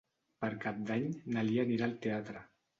Per Cap d'Any na Lia anirà al teatre.